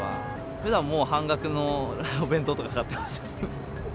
ふだんはもう半額のお弁当とか買ってますよ。